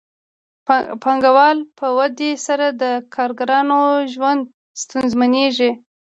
د پانګوال په ودې سره د کارګرانو ژوند ستونزمنېږي